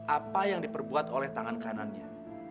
apa yang diperbuat oleh tangan kanannya